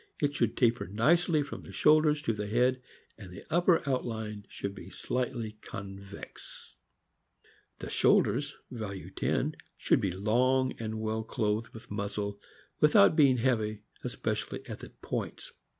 It should taper nicely from the shoulders to the head, and the upper outline should be slightly convex. THE FOXHOUND. 201 The shoulders (value 10) should be long and well clothed with muscle, without being heavy, especially at the points.